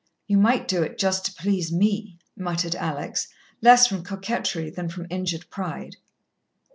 "You might do it just to please me," muttered Alex, less from coquettery than from injured pride.